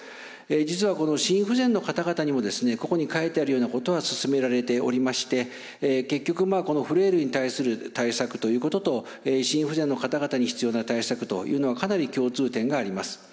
実は心不全の方々にもここに書いてあるようなことはすすめられておりまして結局フレイルに対する対策ということと心不全の方々に必要な対策というのはかなり共通点があります。